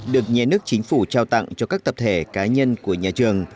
được nhà nước chính phủ trao tặng cho các tập thể cá nhân của nhà trường